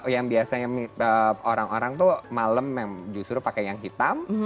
yang biasanya orang orang tuh malam yang justru pakai yang hitam